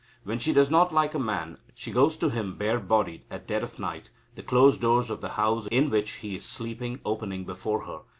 When she does not like a man, she goes to him bare bodied at dead of night, the closed doors of the house in which he is sleeping opening before her.